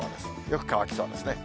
よく乾きそうですね。